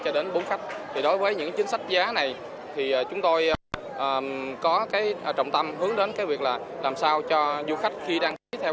chính những chính sách khuyến mại sâu và thực tế